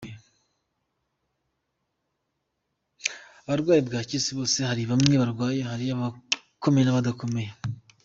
Abarwaye bwaki si bose, hari bamwe barwaye, hari abakomeye n’abadakomeye.